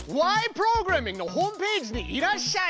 プログラミング」のホームページにいらっしゃい！